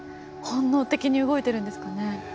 本能的に動いてるんですかね？